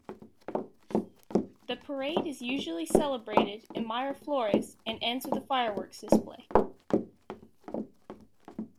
The parade is usually celebrated in Miraflores and ends with a fireworks display.